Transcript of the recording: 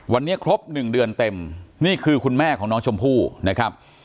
วันนี้ครบ๑เดือนเต็มนี่คือคุณแม่ของน้องชมพู่นะครับ